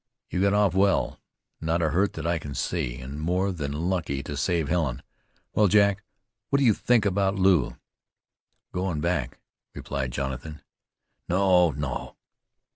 "You got off well. Not a hurt that I can see, and more than lucky to save Helen. Well, Jack, what do you think about Lew?" "I'm goin' back," replied Jonathan. "No! no!"